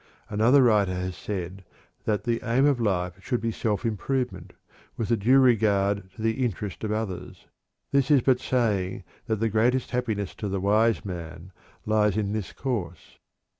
Another writer has said that "the aim of life should be self improvement, with a due regard to the interest of others." This is but saying that the greatest happiness to the wise man lies in this course.